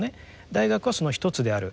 大学はその一つである。